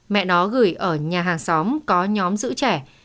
mẹ đó gửi ở nhà hàng xóm có nhóm giữ trẻ